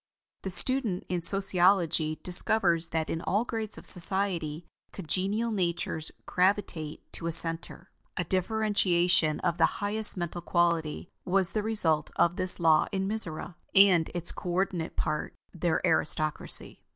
The student in Sociology discovers that in all grades of society, congenial natures gravitate to a center. A differentiation of the highest mental quality was the result of this law in Mizora, and its co ordinate part, their aristocracy.